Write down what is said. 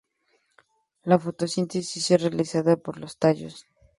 La fotosíntesis es realizada por los tallos.